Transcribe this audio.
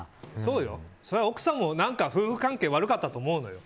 それは奥さんも夫婦関係が悪かったと思うのよ。